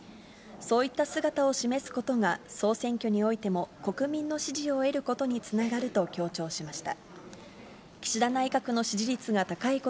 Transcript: そういった姿を示すことが、総選挙においても国民の支持を得ることにつながると強調しました。